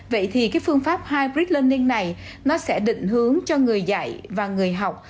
vậy thì phương pháp hybrid learning này sẽ định hướng cho người dạy và người học